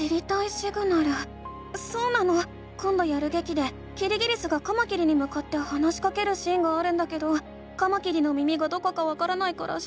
そうなのこんどやるげきでキリギリスがカマキリにむかって話しかけるシーンがあるんだけどカマキリの耳がどこかわからないから知りたいの。